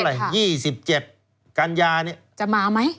การยานี้จะมาไหม